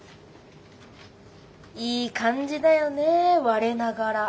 いい感じだよね我ながら。